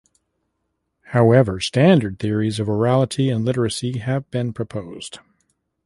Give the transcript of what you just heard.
However, "standard" theories of orality and literacy have been proposed.